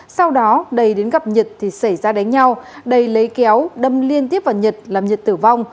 sau đó đầy đến gặp nhật thì xảy ra đánh nhau đầy lấy kéo đâm liên tiếp vào nhật làm nhật tử vong